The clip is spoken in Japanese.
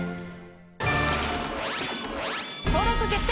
登録決定！